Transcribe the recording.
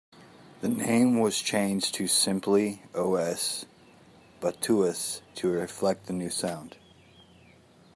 The name was changed to simply Os Batutas to reflect the new sound.